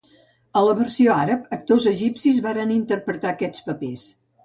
A la versió àrab, actors egipcis varen interpretar aquests papers.